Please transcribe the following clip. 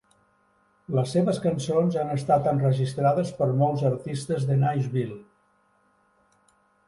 Les seves cançons han estat enregistrades per molts artistes de Nashville.